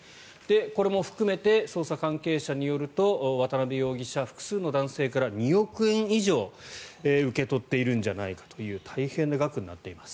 これも含めて捜査関係者によると渡邊容疑者、複数の男性から２億円以上受け取っているんじゃないかという大変な額になっています。